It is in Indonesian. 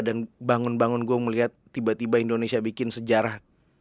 dan bangun bangun gue melihat tiba tiba indonesia bikin sejarah